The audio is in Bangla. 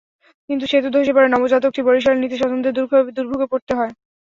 কিন্তু সেতু ধসে পড়ায় নবজাতকটিকে বরিশালে নিতে স্বজনদের দুর্ভোগে পড়তে হয়।